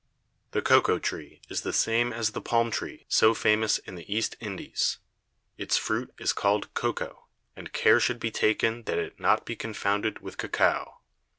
The Coco tree is the same as the Palm Tree so famous in the East Indies; its Fruit is call'd Coco, and care should be taken that it be not confounded with Cocao.